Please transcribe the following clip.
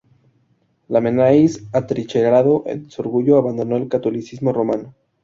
Lamennais, atrincherado en su orgullo, abandonó el catolicismo romano.